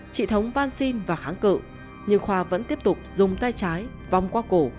chị thống van xin và kháng cự nhưng khoa vẫn tiếp tục dùng tay trái vong qua cổ